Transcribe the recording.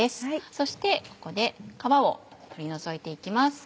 そしてここで皮を取り除いて行きます。